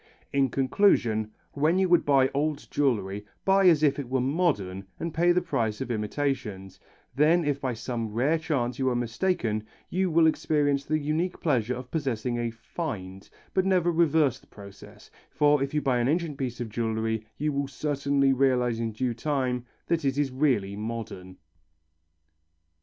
In conclusion, when you would buy old jewellery buy as if it were modern and pay the price of imitations, then if by some rare chance you are mistaken you will experience the unique pleasure of possessing a "find," but never reverse the process, for if you buy an ancient piece of jewellery you will certainly realize in due time that it is really modern.